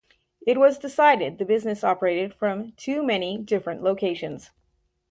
It was decided the business operated from too many different locations.